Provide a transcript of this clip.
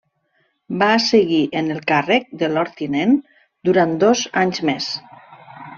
Va seguir en el càrrec de Lord tinent durant dos anys més.